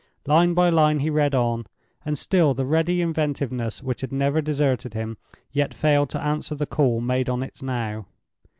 Line by line he read on, and still the ready inventiveness which had never deserted him yet failed to answer the call made on it now.